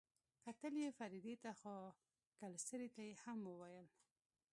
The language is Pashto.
کتل يې فريدې ته خو کلسري ته يې هم وويل.